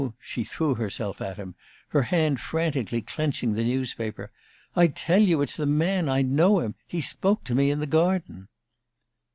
She threw herself toward him, her hand frantically clenching the newspaper. "I tell you, it's the man! I know him! He spoke to me in the garden!"